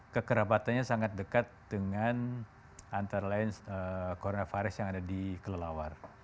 kekerapatannya sangat dekat dengan antara lain coronavirus yang ada di kelelawar